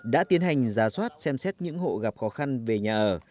đã tiến hành giả soát xem xét những hộ gặp khó khăn về nhà ở